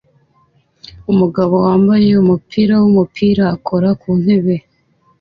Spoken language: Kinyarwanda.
Umugabo wambaye umupira wumupira akora kuntebe